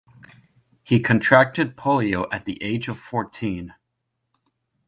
He contracted polio at the age of fourteen.